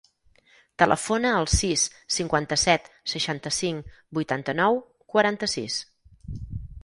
Telefona al sis, cinquanta-set, seixanta-cinc, vuitanta-nou, quaranta-sis.